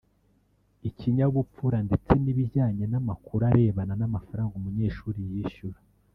ikinyabupfura ndetse n’ibijyanye n’amakuru arebana n’amafaranga umunyeshuri yishyura